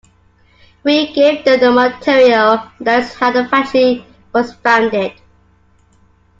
We gave them the material and that is how the factory was founded.